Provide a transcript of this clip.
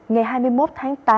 ngày hai mươi một tháng tám